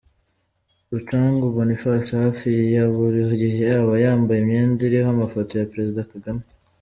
Rucagu Boniface hafi ya buri gihe aba yambaye imyenda iriho amafoto ya Perezida Kagame.